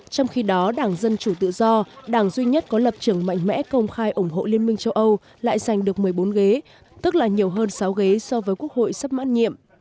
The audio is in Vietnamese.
trong khi đó đảng dân chủ tự do đảng duy nhất có lập trường mạnh mẽ công khai ủng hộ liên minh châu âu lại giành được một mươi bốn ghế tức là nhiều hơn sáu ghế so với quốc hội sắp mãn nhiệm